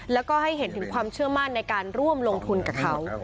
แล้วก็ให้เห็นถึงความเชื่อมั่นในการร่วมลงทุนกับเขา